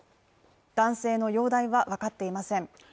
男性の容体はわかっていません。